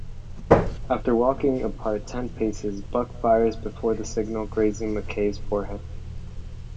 After walking apart ten paces, Buck fires before the signal, grazing McKay's forehead.